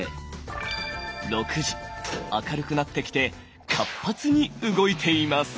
明るくなってきて活発に動いています。